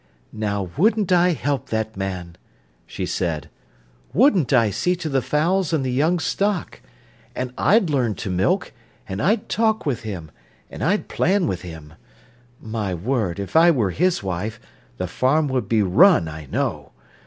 "Now wouldn't I help that man!" she said. "Wouldn't I see to the fowls and the young stock! And I'd learn to milk, and I'd talk with him, and I'd plan with him. My word, if I were his wife, the farm would be run, I know!